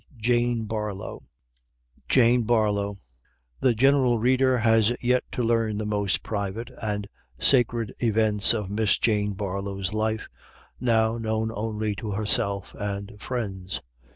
Jane Barlow (18 ) The general reader has yet to learn the most private and sacred events of Miss Jane Barlow's life, now known only to herself and friends.